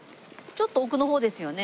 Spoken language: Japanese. ちょっと奥の方ですよね。